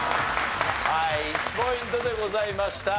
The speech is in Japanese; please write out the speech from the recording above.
はい１ポイントでございました。